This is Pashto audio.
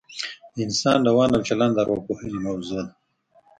د انسان روان او چلن د اوراپوهنې موضوع ده